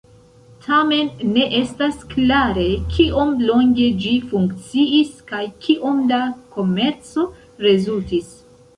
Tamen ne estas klare, kiom longe ĝi funkciis kaj kiom da komerco rezultis.